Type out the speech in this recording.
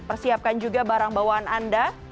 persiapkan juga barang bawaan anda